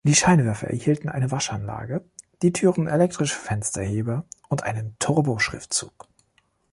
Die Scheinwerfer erhielten eine Waschanlage, die Türen elektrische Fensterheber und einen Turbo-Schriftzug.